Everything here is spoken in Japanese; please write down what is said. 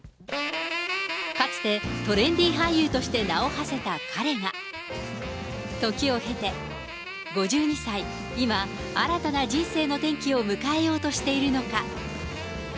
かつて、トレンディー俳優として名をはせた彼が、時を経て５２歳、今、新たな人生の転機を迎えようとしているのか。